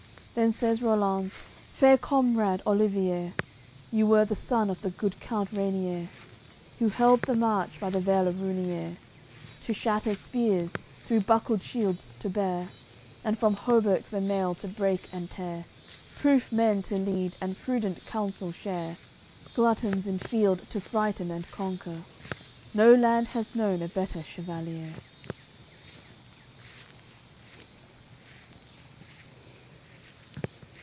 Then says Rollanz: "Fair comrade Olivier, You were the son of the good count Reinier, Who held the march by th' Vale of Runier; To shatter spears, through buckled shields to bear, And from hauberks the mail to break and tear, Proof men to lead, and prudent counsel share, Gluttons in field to frighten and conquer, No land has known a better chevalier."